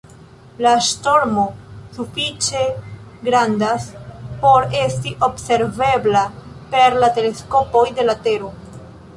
La ŝtormo sufiĉe grandas por esti observebla per teleskopoj de la Tero.